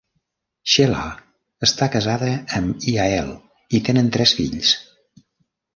Shelah està casada amb Yael i tenen tres fills.